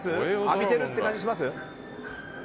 浴びてるって感じします？